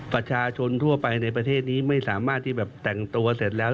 ประชาชนทั่วไปในประเทศนี้ไม่สามารถที่แบบแต่งตัวเสร็จแล้ว